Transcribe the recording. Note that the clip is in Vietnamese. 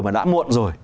mà đã muộn rồi